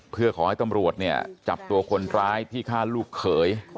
เพื่อขอให้ตำรวจเนี่ยจับตัวคนร้ายที่ฆ่าลูกเขย